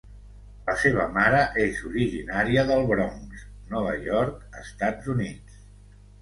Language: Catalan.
La seva mare és originària del Bronx, Nova York, Estats Units.